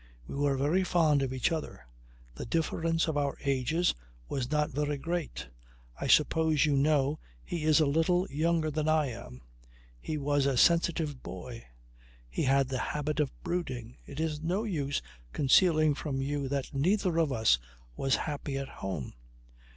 We were very fond of each other. The difference of our ages was not very great. I suppose you know he is a little younger than I am. He was a sensitive boy. He had the habit of brooding. It is no use concealing from you that neither of us was happy at home.